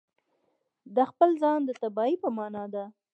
د خپل ځان د تباهي په معنا ده.